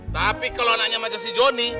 tapi kalau nanya macam si jonny